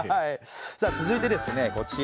続いてですねこちら。